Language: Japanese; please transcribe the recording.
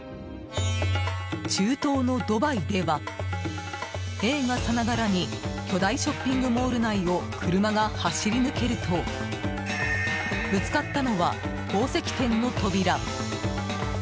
中東のドバイでは映画さながらに巨大ショッピングモール内を車が走り抜けるとぶつかったのは宝石店の扉。